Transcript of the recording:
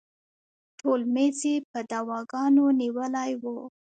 ټول میز یې په دواګانو نیولی و.